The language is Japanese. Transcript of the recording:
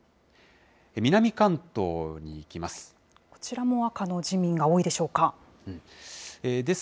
南関東にいきます。